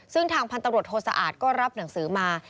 ซึ่งทางพันธุ์ตำรวจโทษสะอาดก็รับหนังสือมา